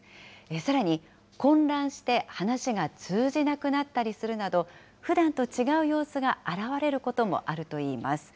さらに混乱して話が通じなくなったりするなど、ふだんと違う様子が現れることもあるといいます。